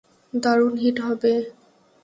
দারুণ হিট হবে।